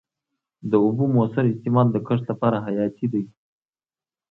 د اوبو موثر استعمال د کښت لپاره حیاتي دی.